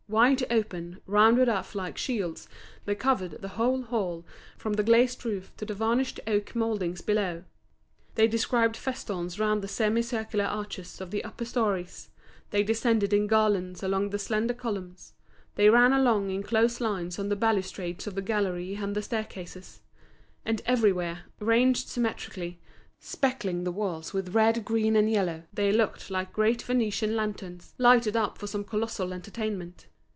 Wide open, rounded off like shields, they covered the whole hall, from the glazed roof to the varnished oak mouldings below. They described festoons round the semi circular arches of the upper storeys; they descended in garlands along the slender columns; they ran along in close lines on the balustrades of the galleries and the staircases; and everywhere, ranged symmetrically, speckling the walls with red, green, and yellow, they looked like great Venetian lanterns, lighted up for some colossal entertainment.